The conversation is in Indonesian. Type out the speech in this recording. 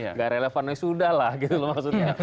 tidak relevan sudah lah maksudnya